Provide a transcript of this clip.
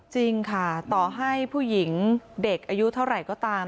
จริงค่ะต่อให้ผู้หญิงเด็กอายุเท่าไหร่ก็ตาม